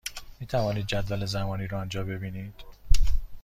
می توانید جدول زمانی را آنجا ببینید.